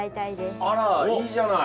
あらいいじゃない。